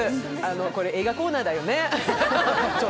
これ、映画コーナーだよね。